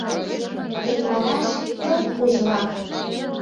Икманаш, йылт узьмак.